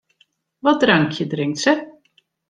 Wat drankje drinkt sy?